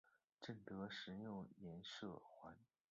正德十六年赦还。